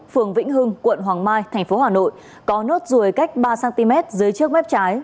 phường vĩnh hưng quận hoàng mai tp hà nội có nốt ruồi cách ba cm